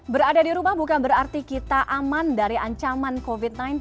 berada di rumah bukan berarti kita aman dari ancaman covid sembilan belas